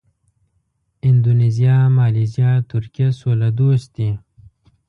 اندونیزیا، مالیزیا، ترکیه سوله دوست دي.